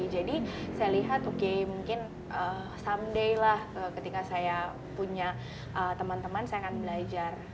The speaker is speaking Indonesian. jadi saya lihat oke mungkin someday lah ketika saya punya teman teman saya akan belajar